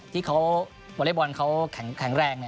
ที่เวอร์เรย์บอลเขาแข็งแรง